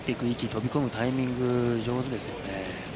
飛び込むタイミングが上手ですよね。